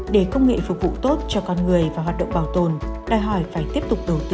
để công nghệ phục vụ tốt cho con người và hoạt động bảo tồn đòi hỏi phải tiếp tục đầu tư